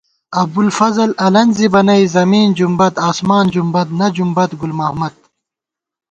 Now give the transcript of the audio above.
ابُوالفضل النزِبہ نئ“زمیں جُنبد آسماں جُنبد نہ جُنبَد گل محمد”